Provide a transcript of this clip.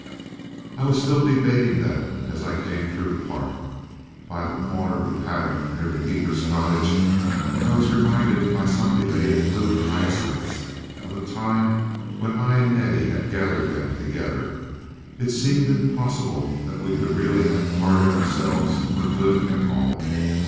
I was still debating that, as I came through the park. By the corner of the paddock near the keeper's cottage, I was reminded by some belated blue hyacinths of a time when I and Nettie had gathered them together. It seemed impossible that we could really have parted ourselves for good and all.